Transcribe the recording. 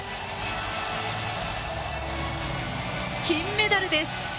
金メダルです。